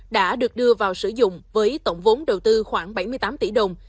đã được đưa vào sử dụng với tổng vốn đầu tư khoảng bảy mươi tám tỷ đồng